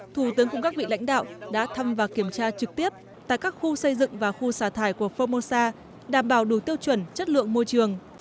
thủ tướng cùng các vị lãnh đạo đã thăm và kiểm tra trực tiếp tại các khu xây dựng và khu xả thải của formosa đảm bảo đủ tiêu chuẩn chất lượng môi trường